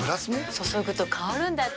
注ぐと香るんだって。